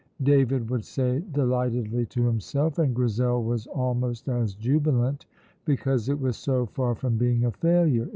David would say delightedly to himself; and Grizel was almost as jubilant because it was so far from being a failure.